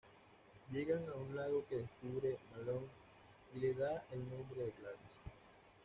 Llegan a un lago que descubre Malone y le da el nombre de Gladys.